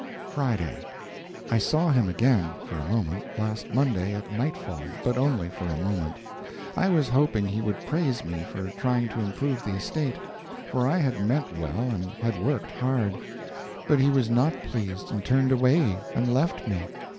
FRIDAY. I saw him again, for a moment, last Monday at nightfall, but only for a moment. I was hoping he would praise me for trying to improve the estate, for I had meant well and had worked hard. But he was not pleased, and turned away and left me.